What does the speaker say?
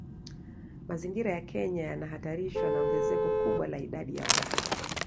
Mazingira ya Kenya yanahatarishwa na ongezeko kubwa la idadi ya watu